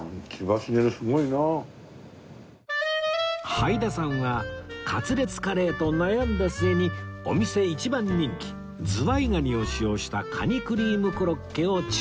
はいださんはカツレツカレーと悩んだ末にお店一番人気ズワイガニを使用したカニクリームコロッケを注文